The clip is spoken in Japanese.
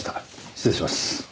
失礼します。